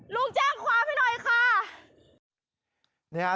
ลูกแจ้งความให้หน่อยค่ะ